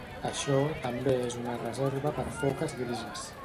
Això també és una reserva per foques grises.